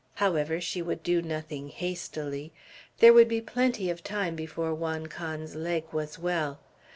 However, she would do nothing hastily. There would be plenty of time before Juan Can's leg was well.